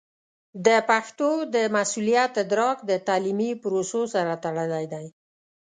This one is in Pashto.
د پښتو د مسوولیت ادراک د تعلیمي پروسو سره تړلی دی.